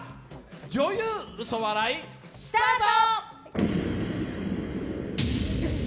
女優嘘笑い、スタート。